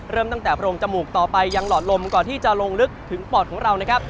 เริ่มตั้งแต่โรงจมูกต่อไปยังหลอดลมก่อนที่จะลงลึกถึงปอดของเรานะครับ